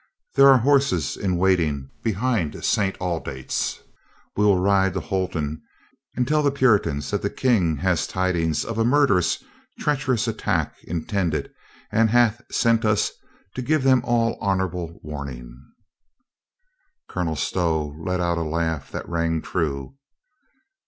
There are horses in wait ing behind St. Aldate's. We will ride to Holton and tell the Puritans the King has tidings of a mur derous, treacherous attack intended and hath sent us to give them all honorable warning." Colonel Stow let out a laugh that rang true.